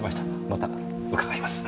また伺います。